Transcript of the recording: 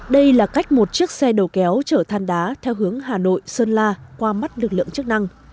đây là cách một chiếc xe đầu kéo chở than đá theo hướng hà nội sơn la qua mắt lực lượng chức năng